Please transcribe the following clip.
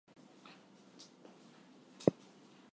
This attracted criticism from the region and Western countries.